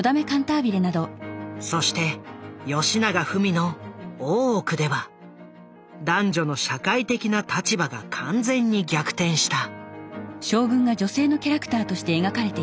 そしてよしながふみの「大奥」では男女の社会的な立場が完全に逆転した。